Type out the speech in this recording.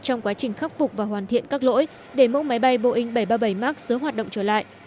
trong quá trình khắc phục và hoàn thiện các lỗi để mẫu máy bay boeing bảy trăm ba mươi bảy max sớm hoạt động trở lại